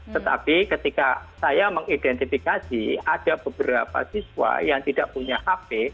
tetapi ketika saya mengidentifikasi ada beberapa siswa yang tidak punya hp